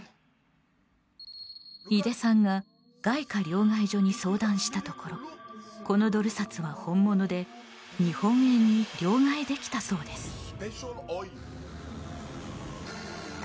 井出さんが外貨両替所に相談したところこのドル札は本物で日本円に両替できたそうです。